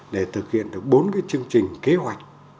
để thực hiện được bốn cái chương trình kế hoạch